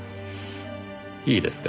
いいですか？